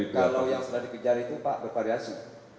kalau yang sudah dikejar itu pak bervariasi